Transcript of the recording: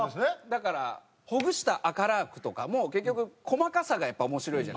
だから「ほぐした赤ＬＡＲＫ」とかも結局細かさがやっぱ面白いじゃないですか。